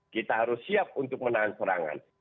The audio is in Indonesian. kita harus siap untuk menahan serangan